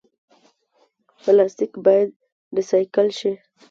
پلاستیک باید ریسایکل شي